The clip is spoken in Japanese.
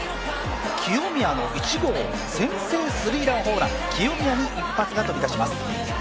清宮の１号先制スリーランホームラン、清宮に一発が飛び出します。